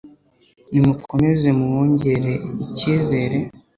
nimukomeze muwongere icyizere